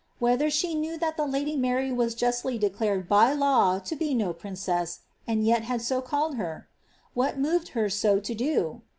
VVhelhor she knew that the lady Mary was justly declared liy law to he no princess, and yet liad so called Iter ? Wlial moved her so to do?